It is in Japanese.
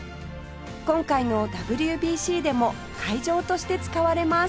今回の ＷＢＣ でも会場として使われます